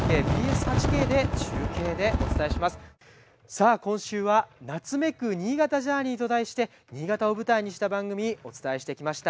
さあ今週は「夏めく！新潟Ｊｏｕｒｎｅｙ」と題して新潟を舞台にした番組お伝えしてきました。